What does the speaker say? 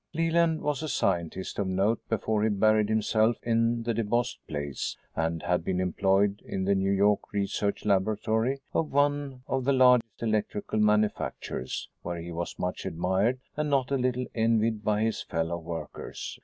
Leland was a scientist of note before he buried himself in the DeBost place, and had been employed in the New York research laboratory of one of the large electrical manufacturers, where he was much admired and not a little envied by his fellow workers.